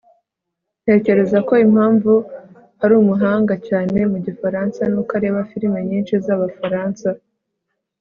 ntekereza ko impamvu ari umuhanga cyane mu gifaransa nuko areba firime nyinshi zabafaransa